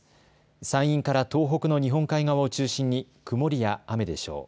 山陰から東北の日本海側を中心に曇りや雨でしょう。